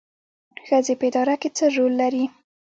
ښځې په اداره کې څه رول لري؟